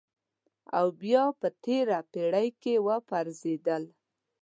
او بیا په تېره پېړۍ کې وپرځېدل.